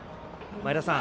前田さん